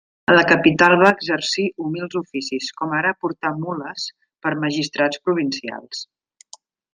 A la capital va exercir humils oficis, com ara portar mules per magistrats provincials.